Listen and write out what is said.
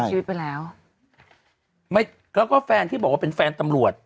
ชีวิตไปแล้วไม่แล้วก็แฟนที่บอกว่าเป็นแฟนตำรวจ